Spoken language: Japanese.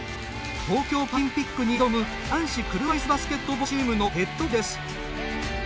東京パラリンピックに挑む男子車いすバスケットボールチームのヘッドコーチです。